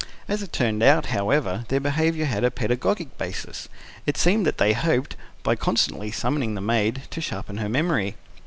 As it turned out, however, their behaviour had a pedagogic basis. It seemed that they hoped, by constantly summoning the maid, to sharpen her memory.